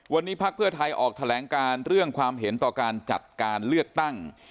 วันนี้ภักดิ์เพื่อไทยออกแถลงการเรื่องความเห็นต่อการจัดการเลือกตั้ง